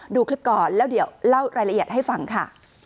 ดูคลิปก่อนแล้วเดี๋ยวเล่ารายละเอียดให้ฟังค่ะ